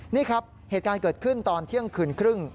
นี่ครับเหตุการณ์เกิดขึ้นตอนเที่ยงคืนครึ่ง